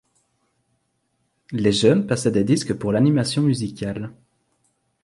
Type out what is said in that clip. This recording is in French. Les jeunes passaient des disques pour l'animation musicale.